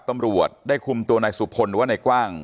ตำรวจได้คุมตัวนายสุพลหรือว่านายกว้าง